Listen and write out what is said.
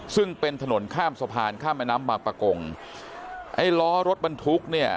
ซึ่งเป็นถนนข้ามสะพานข้ามแม่น้ำบางประกงไอ้ล้อรถบรรทุกเนี่ย